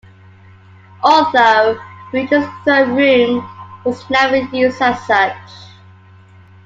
Although built as a throne room, it was never used as such.